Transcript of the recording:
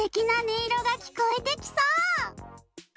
いろがきこえてきそう！